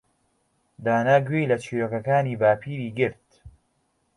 دانا گوێی لە چیرۆکەکانی باپیری گرت.